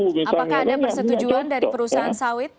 apakah ada persetujuan dari perusahaan sawit